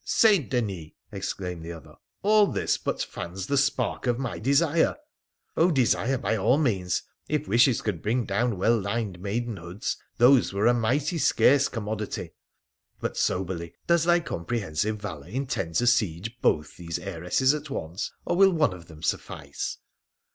' St. Denis !' exclaimed the other, ' all this but fans the spark of my desire.' ' Oh, desire by all means. If wishes would bring down well lined maidenhoods, those were a mighty scarce com modity. But, soberly, does thy comprehensive valour intend to siege both these heiresses at once, or will one of them suffice